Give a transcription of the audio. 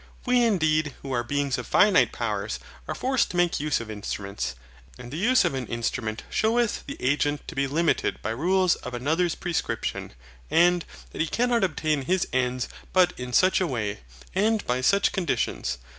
We indeed, who are beings of finite powers, are forced to make use of instruments. And the use of an instrument sheweth the agent to be limited by rules of another's prescription, and that he cannot obtain his end but in such a way, and by such conditions.